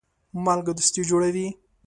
مالګه دوستي جوړوي.